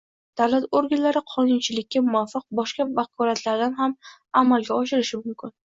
Davlat organlari qonunchilikka muvofiq boshqa vakolatlarni ham amalga oshirishi mumkin.